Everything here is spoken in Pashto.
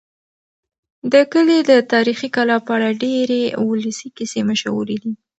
د کلي د تاریخي کلا په اړه ډېرې ولسي کیسې مشهورې دي.